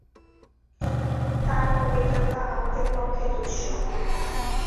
তার পবিত্রতা আমাদের পক্ষে দুঃসহ।